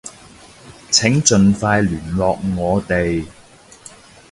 請盡快聯絡我哋